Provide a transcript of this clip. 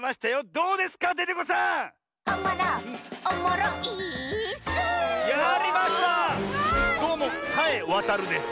どうもさえわたるです。